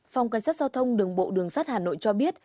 phòng cảnh sát giao thông đường bộ đường sắt hà nội cho biết